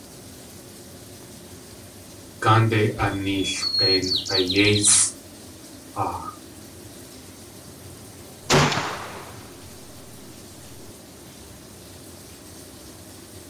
Gáandei aneelg̲ein g̲ayéisʼg̲aa!